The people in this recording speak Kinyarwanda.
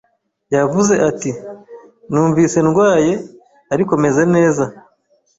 Yavuze ati: "Numvise ndwaye, ariko meze neza."